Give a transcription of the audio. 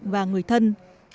và người thân